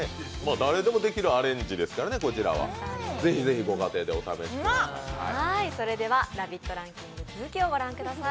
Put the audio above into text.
誰でもできるアレンジですからね是非是非、ご家庭でお試しください。